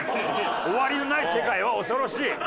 「終わりのない世界は恐ろしい」。